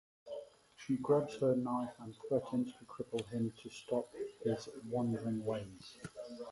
She grabs her knife and threatens to cripple him to stop his wandering ways.